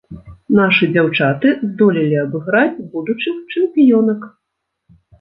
Нашы дзяўчаты здолелі абыграць будучых чэмпіёнак.